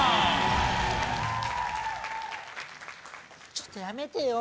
ちょっとやめてよ